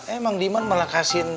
emang diman malah kasihin